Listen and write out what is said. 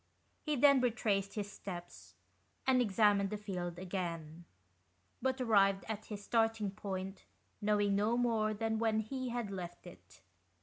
He then retraced his steps, and examined the field again, but arrived at his starting point, knowing no more than when he had left it.